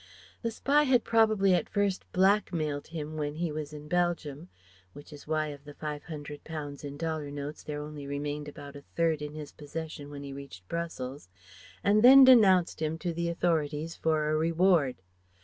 The spy had probably at first blackmailed him when he was in Belgium which is why of the Five hundred pounds in dollar notes there only remained about a third in his possession when he reached Brussels and then denounced him to the authorities, for a reward.